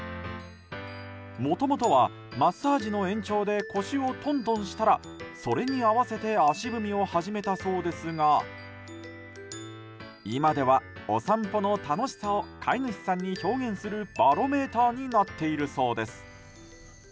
もともとは、マッサージの延長で腰をトントンしたらそれに合わせて足踏みを始めたそうですが今では、お散歩の楽しさを飼い主さんに表現するバロメーターになっているそうです。